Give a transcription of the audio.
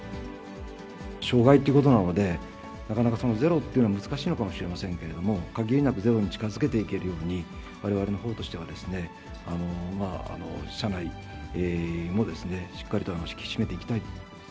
障害ということなので、なかなかゼロというのは難しいかもしれませんけれども、限りなくゼロに近づけていけるように、われわれのほうとしては社内もしっかりと気を引き締めていきたい。